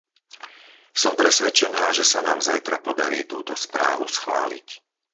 Som presvedčená, že sa nám zajtra podarí túto správu schváliť.